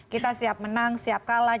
kita siap menang siap kalah